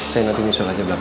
saya nanti nyusul aja belakang